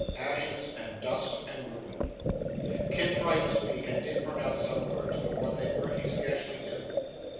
Ashes, and dust, and ruin! Kit tried to speak, and did pronounce some words, though what they were he scarcely knew.